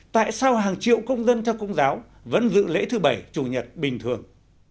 tại sao hàng triệu công dân theo công giáo vẫn giữ lễ thứ bảy chủ nhật bình thường